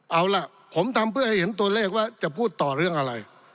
เอาล่ะผมทำเพื่อให้เห็นตัวเลขว่าจะพูดต่อเรื่องอะไร